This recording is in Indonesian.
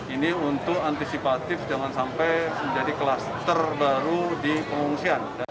ini untuk antisipatif jangan sampai menjadi kluster baru di pengungsian